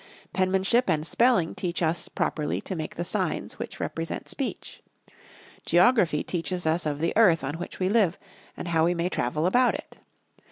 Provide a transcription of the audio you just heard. Penmanship and Spelling teach us properly to make the signs which represent speech. Geography teaches us of the earth on which we live, and how we may travel about it.